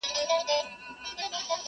o زه به مي غزل ته عاطفې د سایل واغوندم,